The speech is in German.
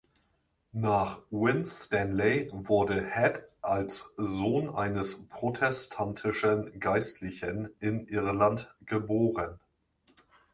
Nach Winstanley wurde Head als Sohn eines protestantischen Geistlichen in Irland geboren.